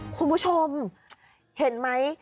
คุณผู้ชมเห็นไหม